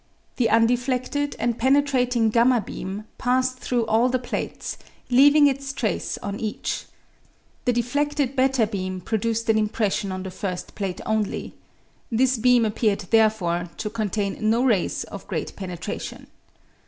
The undefledled and penetrating 7 beam passed through all the plates, leaving its trace on each. The defledted ;8 beam produced an im pression on the first plate only. This beam appeared therefore to contain no rays of great penetration.